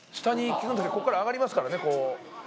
こっから上がりますからねこう。